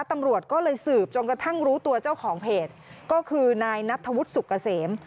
ตำรวจก็เลยสืบจนกระทั่งรู้ตัวเจ้าของเพจก็คือนายนัทธวุฒิสุกเกษม